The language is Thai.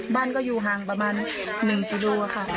บ้านก็อยู่ห่างประมาณ๑กิโลค่ะ